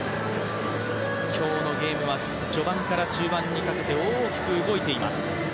今日のゲームは序盤から中盤にかけて大きく動いています。